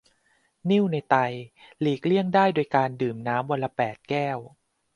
นิ่วในไตหลีกเลี่ยงได้โดยการดื่มน้ำวันละแปดแก้ว